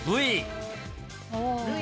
Ｖ。